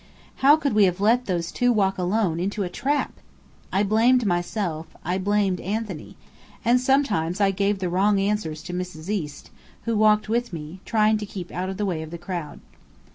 How could we have let those two walk alone into a trap? I blamed myself, I blamed Anthony; and sometimes I gave the wrong answers to Mrs. East, who walked with me, trying to keep out of the way of the crowd.